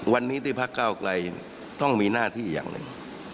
วันนี้ที่พักเก้าไกลต้องมีหน้าที่อย่างหนึ่ง